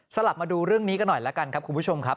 กลับมาดูเรื่องนี้กันหน่อยแล้วกันครับคุณผู้ชมครับ